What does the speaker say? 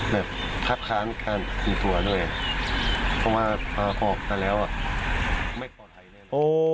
แบบพักค้านการตีตัวด้วยเพราะว่าพาออกไปแล้วอ่ะไม่ปลอดภัยเลย